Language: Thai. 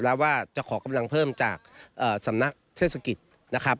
แล้วว่าจะขอกำลังเพิ่มจากสำนักเทศกิจนะครับ